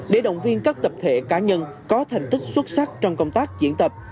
để động viên các tập thể cá nhân có thành tích xuất sắc trong công tác diễn tập